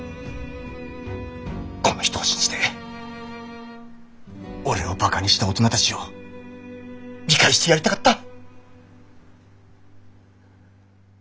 この人を信じて俺をバカにした大人たちを見返してやりたかった。